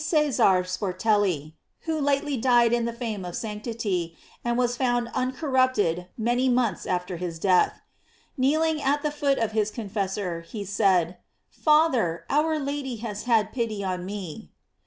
Cesar Sportelli, who lately died in the fame of sanctity, and was found uncorrupted many months after his death. Kneeling at the feet of his confessor, he said: "Father, our Lady has had pity on me."